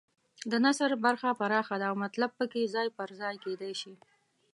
د نثر برخه پراخه ده او مطلب پکې ځای پر ځای کېدای شي.